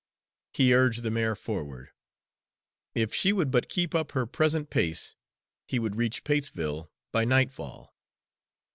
He urged the mare forward; if she would but keep up her present pace, he would reach Patesville by nightfall.